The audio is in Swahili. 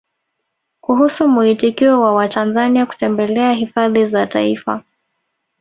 Kuhusu muitikio wa Watanzania kutembelea Hifadhi za Taifa